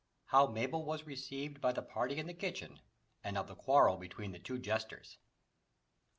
How Mabel was received by the Party in the Kitchen And of the Quarrel between the two Jesters.